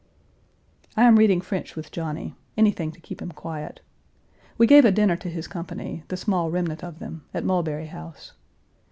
I am reading French with Johnny anything to keep him quiet. We gave a dinner to his company, the small remnant of them, at Mulberry house.